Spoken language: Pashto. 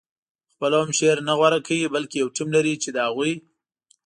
خپله هم شعر نه غوره کوي بلکې یو ټیم لري چې د هغوی